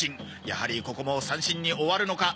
やはりここも三振に終わるのか！？